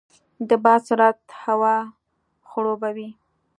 د باد سرعت هوا خړوبوي.